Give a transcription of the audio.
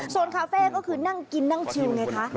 ส่วนคาเฟ่ก็คือนั่งกินนั่งชิวไงคะ